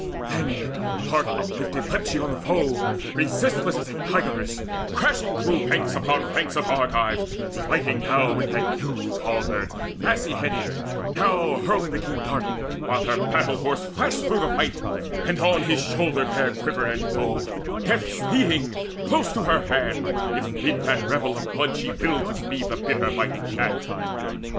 Then heart uplifted leapt she on the foe, Resistless as a tigress, crashing through Ranks upon ranks of Argives, smiting now With that huge halberd massy headed, now Hurling the keen dart, while her battle horse Flashed through the fight, and on his shoulder bare Quiver and bow death speeding, close to her hand, If mid that revel of blood she willed to speed The bitter biting shaft.